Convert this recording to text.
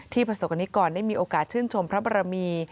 ประสบกรณิกรได้มีโอกาสชื่นชมพระบรมี